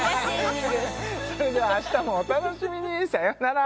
それではあしたもお楽しみにさよなら